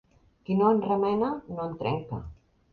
Qui no en remena, no en trenca.